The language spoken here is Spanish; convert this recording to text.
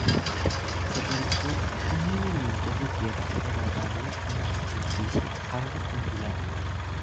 Se realizó un movimiento de tierras para darle una superficie algo ondulada.